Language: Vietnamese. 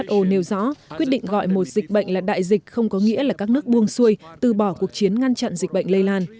wo nêu rõ quyết định gọi một dịch bệnh là đại dịch không có nghĩa là các nước buông xuôi từ bỏ cuộc chiến ngăn chặn dịch bệnh lây lan